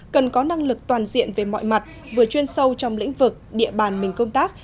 cần có năng lực toàn diện về mọi mặt vừa chuyên sâu trong lĩnh vực địa bàn mình công tác